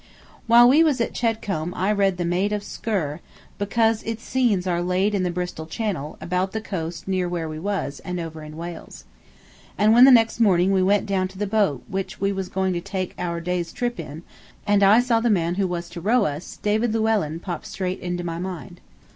While we was at Chedcombe I read the "Maid of Sker," because its scenes are laid in the Bristol Channel, about the coast near where we was, and over in Wales. And when the next morning we went down to the boat which we was going to take our day's trip in, and I saw the man who was to row us, David Llewellyn popped straight into my mind.